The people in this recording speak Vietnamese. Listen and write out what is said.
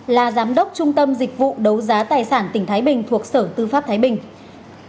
là giám đốc trung tâm dịch vụ đấu giá tài sản tỉnh thái bình thuộc sở tư pháp thái bình